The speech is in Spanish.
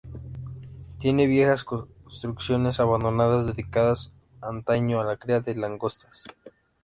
Tiene viejas construcciones abandonadas, dedicadas antaño a la cría de langostas.